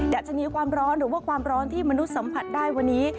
ัชนีความร้อนหรือว่าความร้อนที่มนุษย์สัมผัสได้วันนี้